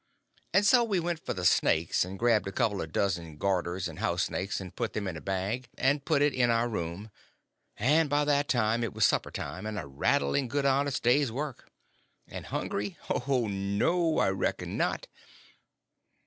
And so we went for the snakes, and grabbed a couple of dozen garters and house snakes, and put them in a bag, and put it in our room, and by that time it was supper time, and a rattling good honest day's work: and hungry?—oh, no, I reckon not!